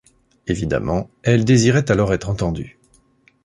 Évidemment, elle désirait alors être entendue.